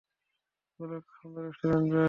চলো একটা সুন্দর রেস্টুরেন্টে যাই।